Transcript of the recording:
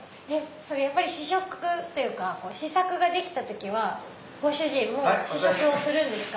試食っていうか試作ができた時はご主人も試食をするんですか？